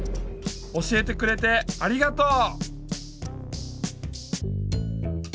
教えてくれてありがとう。